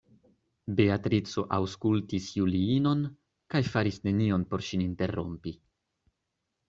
Beatrico aŭskultis Juliinon, kaj faris nenion por ŝin interrompi.